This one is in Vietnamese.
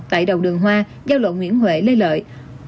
tại đầu đường hoa giao lộ nguyễn huệ lê lợi